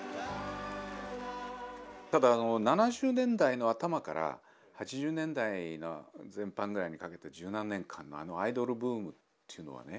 ７０年代の頭から８０年代の前半ぐらいにかけて十何年間のあのアイドルブームっていうのはね